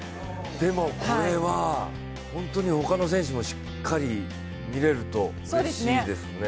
でもこれは、本当に他の選手もしっかり見れるとうれしいですね。